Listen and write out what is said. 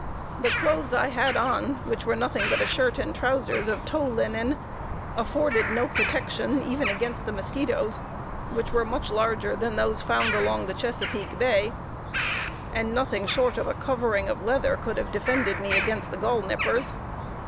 The clothes I had on, which were nothing but a shirt and trowsers of tow linen, afforded no protection even against the musquitos, which were much larger than those found along the Chesapeake Bay; and nothing short of a covering of leather could have defended me against the galinippers.